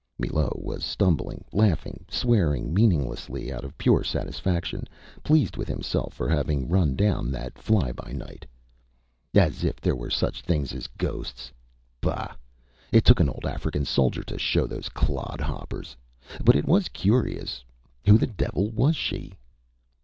.. .Â Millot was stumbling, laughing, swearing meaninglessly out of pure satisfaction, pleased with himself for having run down that fly by night. ÂAs if there were such things as ghosts! Bah! It took an old African soldier to show those clodhoppers. ... But it was curious. Who the devil was she?